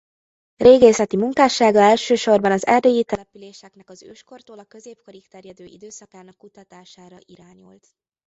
Régészeti munkássága elsősorban az erdélyi településeknek az őskortól a középkorig terjedő időszakának kutatására irányult.